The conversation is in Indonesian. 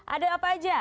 ada apa aja